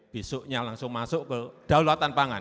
besoknya langsung masuk ke daulatan pangan